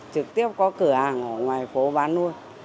trực tiếp có cửa hàng ở ngoài phố bán luôn